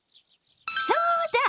そうだ！